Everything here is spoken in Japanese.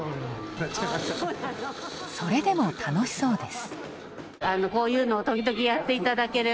それでも楽しそうです。